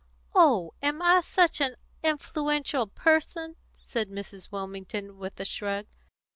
"Oh, am I such an influential person?" said Mrs. Wilmington, with a shrug.